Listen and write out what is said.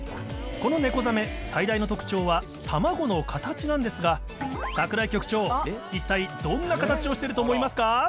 このネコザメ、最大の特徴は、卵の形なんですが、櫻井局長、一体どんな形をしてると思いますか？